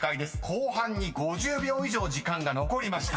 ［後半に５０秒以上時間が残りました］